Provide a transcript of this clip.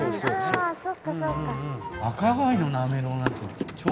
あそっかそっか。